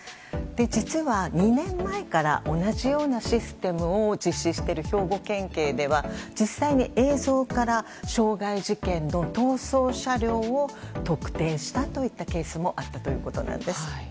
実は２年前から同じようなシステムを実施している兵庫県警では、実際に映像から傷害事件の逃走車両を特定したといったケースもあったということです。